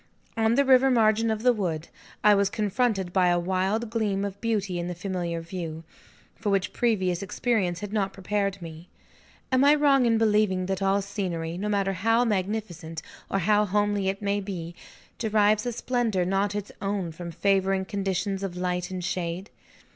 On the river margin of the wood, I was confronted by a wild gleam of beauty in the familiar view, for which previous experience had not prepared me. Am I wrong in believing that all scenery, no matter how magnificent or how homely it may be, derives a splendor not its own from favouring conditions of light and shade?